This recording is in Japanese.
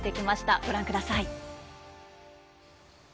ご覧ください。